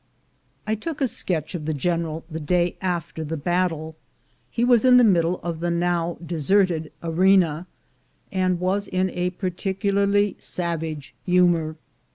I took a sketch of the General the day after the battle. He was in the middle of the now deserted arena, and was in a particularly savage humor.